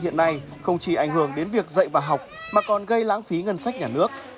hiện nay không chỉ ảnh hưởng đến việc dạy và học mà còn gây lãng phí ngân sách nhà nước